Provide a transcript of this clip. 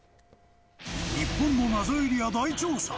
日本の謎エリア大調査。